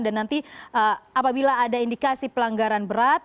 dan nanti apabila ada indikasi pelanggaran berat